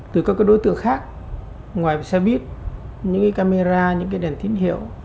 từ các đối tượng khác ngoài xe buýt những cái camera những cái đèn tín hiệu